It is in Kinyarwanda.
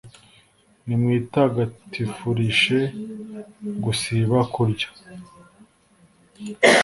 Nimwitagatifurishe gusiba kurya,